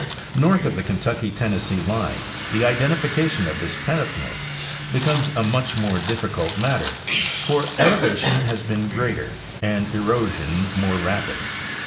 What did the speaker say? North of the Kentucky Tennessee line the identification of this peneplain becomes a much more difficult matter, for elevation has been greater and erosion more rapid.